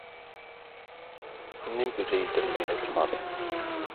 نمتُ جيدا الليلة الماضية.